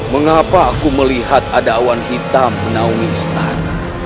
mengapa aku melihat ada awan hitam menaungi setan